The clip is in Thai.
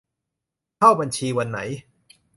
เข้าบัญชีวันไหน